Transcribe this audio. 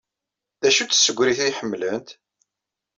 D acu-tt tsegrit ay ḥemmlent?